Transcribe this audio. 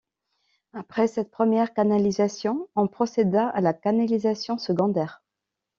Après cette première canalisation, on procéda à la canalisation secondaire.